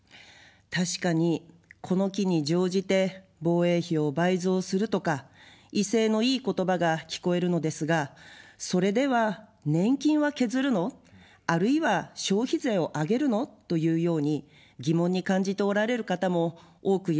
確かに、この機に乗じて防衛費を倍増するとか威勢のいい言葉が聞こえるのですが、それでは年金は削るの、あるいは消費税を上げるの、というように疑問に感じておられる方も多くいらっしゃると思います。